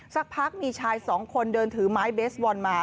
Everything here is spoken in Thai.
สักพักมีชายสองคนเดินถือไม้เบสบอลมา